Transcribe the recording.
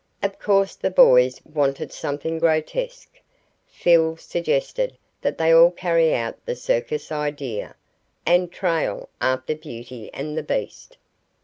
Of course the boys wanted something grotesque. Phil suggested that they all carry out the circus idea, and "trail" after Beauty and the Beast.